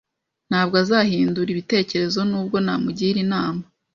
Ntabwo azahindura ibitekerezo nubwo namugira inama